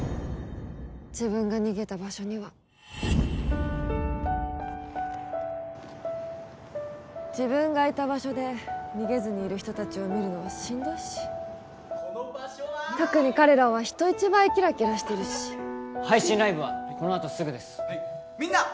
自分が逃げた場所には自分がいた場所で逃げずにいる人達を見るのはしんどいしこの場所は特に彼らは人一倍キラキラしてるし配信ライブはこのあとすぐですはいみんな！